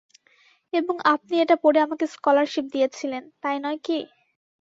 এবং আপনি এটা পড়ে আমাকে স্কলারশিপ দিয়েছিলেন, তাই নয় কি?